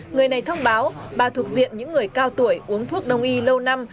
người này thông báo bà thuộc diện những người cao tuổi uống thuốc đông y lâu năm